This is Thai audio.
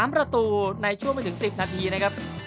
๓ประตูในช่วงไม่ถึง๑๐นาทีนะครับ